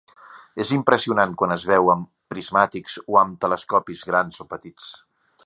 És impressionant quan es veu amb prismàtics o amb telescopis grans o petits.